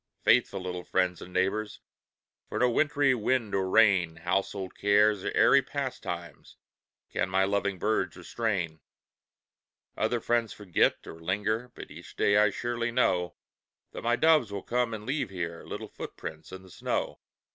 Faithful little friends and neighbors, For no wintry wind or rain, Household cares or airy pastimes, Can my loving birds restrain. Other friends forget, or linger, But each day I surely know That my doves will come and leave here Little footprints in the snow.